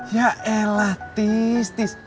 ya elah tis tis